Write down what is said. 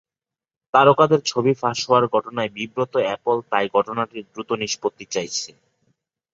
তারকাদের ছবি ফাঁস হওয়ার ঘটনায় বিব্রত অ্যাপল তাই ঘটনাটির দ্রুত নিষ্পত্তি চাইছে।